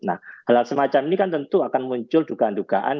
nah hal hal semacam ini kan tentu akan muncul dugaan dugaan